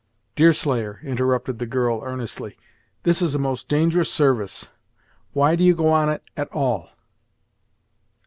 "Deerslayer," interrupted the girl, earnestly; "this is a most dangerous service; why do you go on it, at all?"